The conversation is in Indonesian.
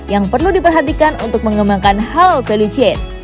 yang perlu diperhatikan untuk mengembangkan halal value chain